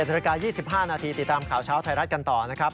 นาฬิกา๒๕นาทีติดตามข่าวเช้าไทยรัฐกันต่อนะครับ